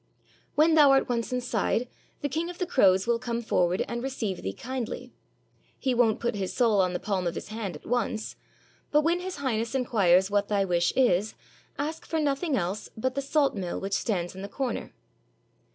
When thou art once inside, the King of the Crows will come for ward and receive thee kindly. He won't put his soul on the palm of his hand at once; but when His Highness inquires what thy wish is, ask for nothing else but the salt mill which stands in the corner."